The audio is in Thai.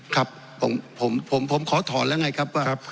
ครับผมขอถอนแล้วไงครับว่า